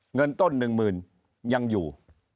เงินต้นหนึ่งหมื่นยังอยู่